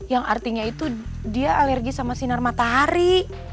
yang artinya itu dia alergi sama sinar matahari